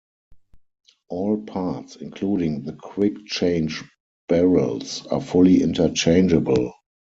All parts, including the quick-change barrels, are fully interchangeable.